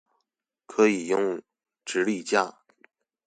可以用直立架